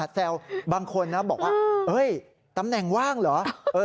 แซวบางคนนะบอกว่าตำแหน่งว่างเหรอ